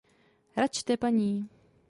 Račte, paní.